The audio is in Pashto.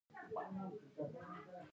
انسان پۀ جسماني توګه جبلي خصوصيات لري